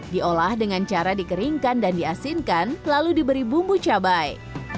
diolah dengan cara dikeringkan dan diasinkan lalu diberi bumbu cabai